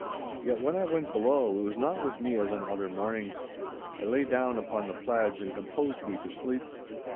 Yet, when I went below, it was not with me as on other mornings. I lay down upon the plaids and composed me to sleep.